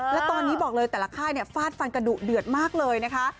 แล้วตอนนี้บอกเลยแต่ละค่ายฟาดฟันกระดุเดือดมากเลยนะคะ